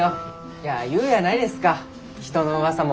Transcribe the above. いや言うやないですか人のうわさも。